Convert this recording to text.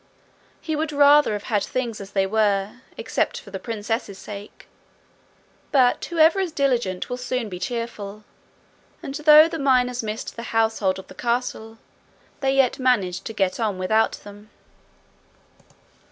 He would rather have had things as they were, except for the princess's sake. But whoever is diligent will soon be cheerful, and though the miners missed the household of the castle, they yet managed to get on without them.